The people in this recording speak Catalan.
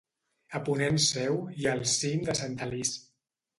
A ponent seu hi ha el cim de Sant Alís.